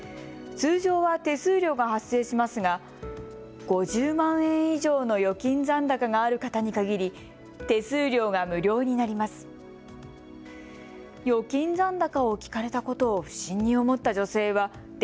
通常は手数料が発生しますが５０万円以上の預金残高がある方に限り手数料が無料になります。